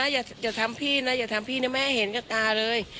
อย่าทำพี่นะอย่าทำพี่นะไม่ให้เห็นกับตาเลย